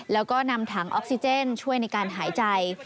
แล้วก็นำถังออกซิเจนช่วยในการหายใจ